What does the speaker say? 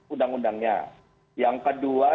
undang undangnya yang kedua